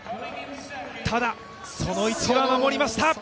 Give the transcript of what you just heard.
ただ、その位置は守りました。